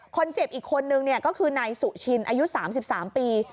คนเจ็บอีกคนนึงเนี่ยก็คือนายสุชินอายุสามสิบสามปี